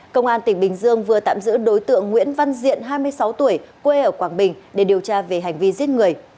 công an tỉnh bình dương vừa tạm giữ đối tượng nguyễn văn diện hai mươi sáu tuổi quê ở quảng bình để điều tra về hành vi giết người